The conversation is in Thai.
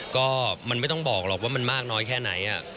ก็มันไม่ต้องบอกหรอกว่ามันมากน้อยแค่ไหน